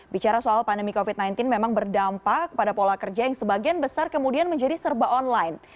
bicara soal pandemi covid sembilan belas memang berdampak pada pola kerja yang sebagian besar kemudian menjadi serba online